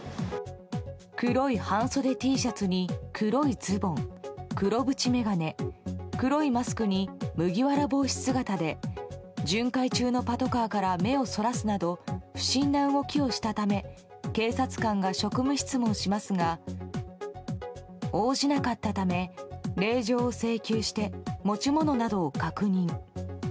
黒い半袖Ｔシャツに黒いズボン黒縁眼鏡、黒いマスクに麦わら帽子姿で巡回中のパトカーから目をそらすなど不審な動きをしたため警察官が職務質問しますが応じなかったため令状を請求して持ち物などを確認。